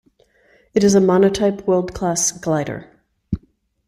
It is a monotype World Class glider.